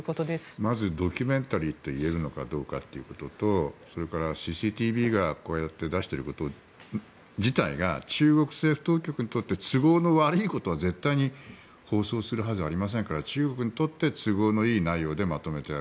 まずドキュメンタリーといえるのかどうかということとＣＣＴＶがこうやって出していること自体が中国政府当局にとって都合が悪いことは絶対に放送するはずがありませんから中国にとって都合のいい内容でまとめてある。